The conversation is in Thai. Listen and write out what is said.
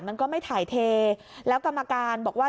มันก็ไม่ถ่ายเทแล้วกรรมการบอกว่า